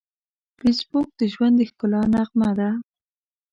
فېسبوک د ژوند د ښکلا نغمه ده